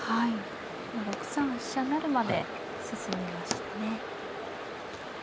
今６三飛車成まで進みましたね。